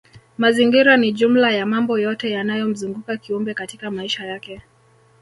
Mazingira ni jumla ya mambo yote yanayomzuguka kiumbe katika maisha yake